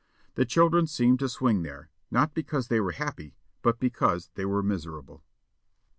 The children seemed to swing there, not because they were happy, but because they were miserable.